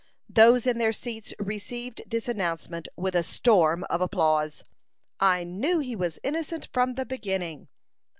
Those in their seats received this announcement with a storm of applause. "I knew he was innocent from the beginning."